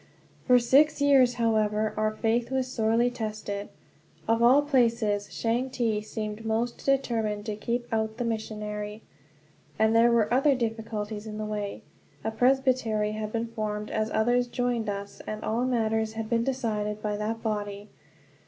For six years, however, our faith was sorely tested. Of all places, Changte seemed most determined to keep out the missionary. And there were other difficulties in the way. A presbytery had been formed as others joined us, and all matters had to be decided by that body.